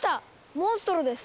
モンストロです！